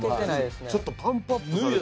ちょっとパンプアップされてる。